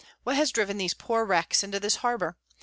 What has driven these poor wrecks into this harbour